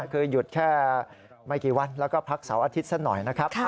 คือหยุดแค่ไม่กี่วันแล้วก็พักเสาร์อาทิตย์ซะหน่อยนะครับ